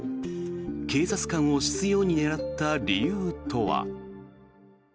警察官を執ように狙った理由とは。